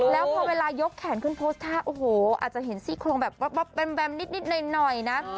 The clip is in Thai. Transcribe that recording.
แล้วพอเวลายกแขนขึ้นโพสต์ท่าโอ้โหอาจจะเห็นซี่โครงแบบแบมนิดหน่อยนะ